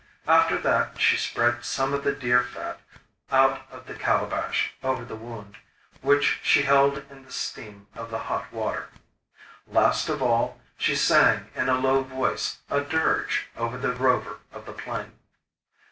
After that she spread some of the deer fat out of the calabash over the wound, which she held in the steam of the hot water. Last of all, she sang in a low voice a dirge over the Rover of the Plain.